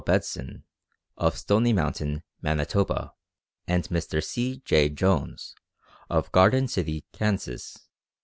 Bedson, of Stony Mountain, Manitoba, and Mr. C. J. Jones, of Garden City, Kans.